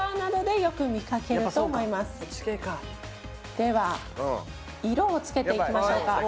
では色をつけていきましょうか。